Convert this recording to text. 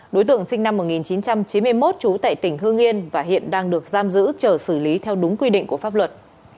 đối tượng sinh năm một nghìn chín trăm chín mươi một trú tại tỉnh hương yên và hiện đang được giam giữ chờ xử lý theo đúng quy định của pháp luật